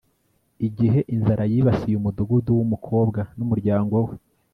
igihe, inzara yibasiye umudugudu wumukobwa, numuryango we